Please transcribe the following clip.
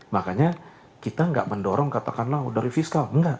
makanya kita nggak mendorong katakanlah dari fiskal enggak